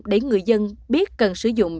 để người dân biết cần sử dụng